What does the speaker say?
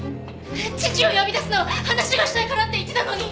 父を呼び出すのは話がしたいからって言ってたのに！